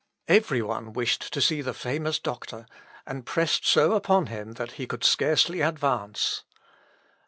Every one wished to see the famous doctor, and pressed so upon him that he could scarcely advance.